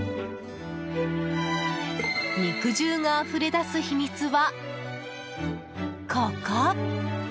肉汁があふれ出す秘密は、ここ。